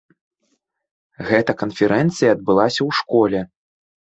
Гэта канферэнцыя адбылася ў школе.